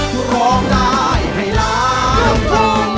พร้อมได้ให้รัก